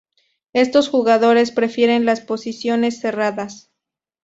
Estos jugadores prefieren las posiciones cerradas.